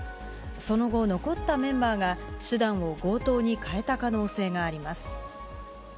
その後、残ったメンバーが手段を強盗に変えた可能性があります。